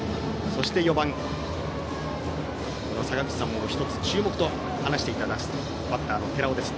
そして４番坂口さんも１つ注目と話していたバッターの寺尾です。